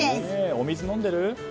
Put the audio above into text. お水飲んでる？